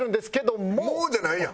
「もう」じゃないやん！